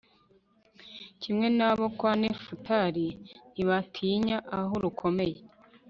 kimwe n'abo kwa nefutali, ntibatinya aho rukomeye